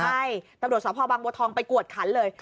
ใช่ตัวประโยชน์สมภาพบางโบทองไปควดขันเลย